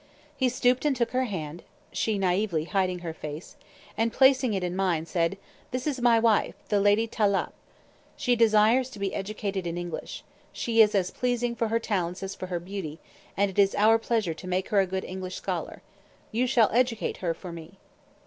He stooped and took her hand, (she naively hiding her face), and placing it in mine, said, "This is my wife, the Lady Tâlâp. She desires to be educated in English. She is as pleasing for her talents as for her beauty, and it is our pleasure to make her a good English scholar. You shall educate her for me."